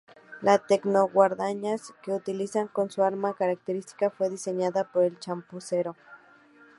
La tecno-guadaña que utiliza como su arma característica fue diseñada por el Chapucero.